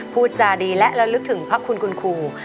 พูดจาดีและระลึกถึงพระคุณคุณครู